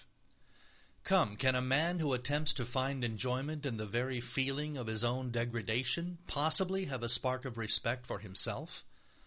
V Come, can a man who attempts to find enjoyment in the very feeling of his own degradation possibly have a spark of respect for himself?